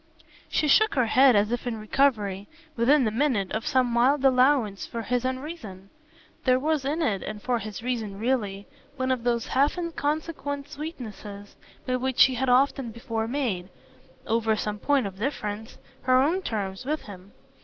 She shook her head as if in recovery, within the minute, of some mild allowance for his unreason. There was in it and for his reason really one of those half inconsequent sweetnesses by which she had often before made, over some point of difference, her own terms with him.